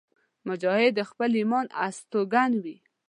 مجاهد د خپل ایمان استوګن وي.